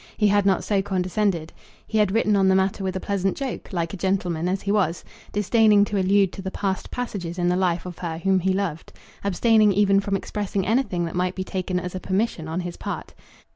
He had not so condescended. He had written on the matter with a pleasant joke, like a gentleman as he was, disdaining to allude to the past passages in the life of her whom he loved, abstaining even from expressing anything that might be taken as a permission on his part.